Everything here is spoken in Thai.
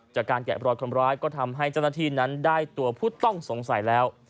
จากการแกะปลอดความร้ายก็ทำให้จันทนาทีนั้นได้ตัวผู้ต้องสงสัยแล้ว